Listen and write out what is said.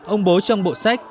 ông bố trong bộ sách